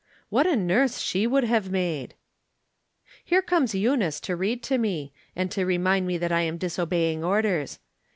What a nurse she would have made ! Here comes Eunice to read to me, and to re mind me that I am disobeying orders.